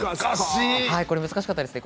これ難しかったですね